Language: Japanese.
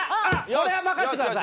これは任せてください。